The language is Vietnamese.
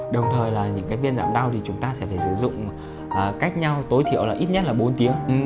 đồng thời là những cái viên giảm đau thì chúng ta sẽ phải sử dụng cách nhau tối thiểu là ít nhất là bốn tiếng